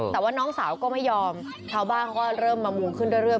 แต่ว่าน้องสาวก็ไม่ยอมชาวบ้านเขาก็เริ่มมามุงขึ้นเรื่อย